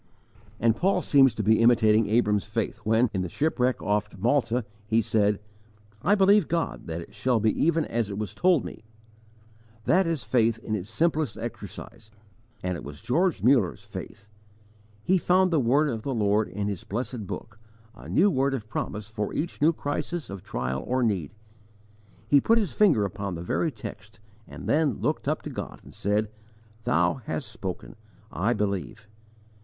And Paul seems to be imitating Abram's faith when, in the shipwreck off Malta, he said, "I believe God, that it shall be even as it was told me." That is faith in its simplest exercise and it was George Muller's faith. He found the word of the Lord in His blessed Book, a new word of promise for each new crisis of trial or need; he put his finger upon the very text and then looked up to God and said: "Thou hast spoken. I believe."